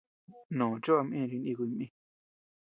Mnoo choʼo ama iña chi jinikuy mï.